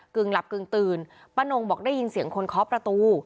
หลับกึ่งตื่นป้านงบอกได้ยินเสียงคนเคาะประตู